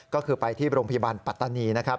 ก็คือไปที่โรงพยาบาลปัตตานีนะครับ